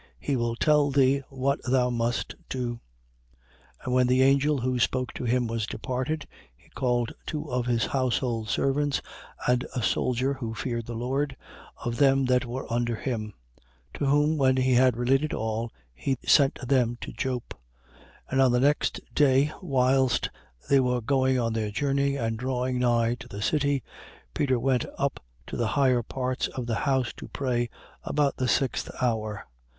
He will tell thee what thou must do. 10:7. And when the angel who spoke to him was departed, he called two of his household servants and a soldier who feared the Lord, of them that were under him. 10:8. To whom when he had related all, he sent them to Joppe. 10:9. And on the next day, whilst they were going on their journey and drawing nigh to the city, Peter went up to the higher parts of the house to pray, about the sixth hour.